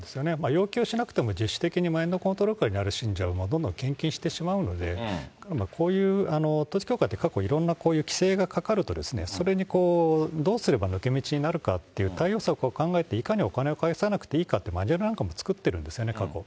要求しなくても自主的にマインドコントロール下にある信者はどんどん献金してしまうので、こういう、統一教会って過去いろんなこういう規制がかかると、それにどうすれば抜け道になるかっていう対応策を考えて、いかにお金を返さなくていいかっていうマニュアルなんかも作ってるんですよね、過去。